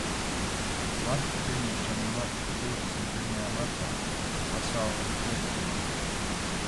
Matu pieņemšana notika divdesmit pirmajā martā, Pasaules Dzejas dienā.